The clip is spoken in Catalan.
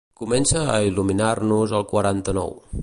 Comença a il·luminar-nos el quaranta-nou.